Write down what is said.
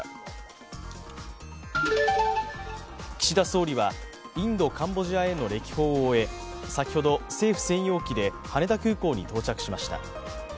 岸田総理は、インド、カンボジアへの歴訪を終え、先ほど政府専用機で羽田空港に到着しました。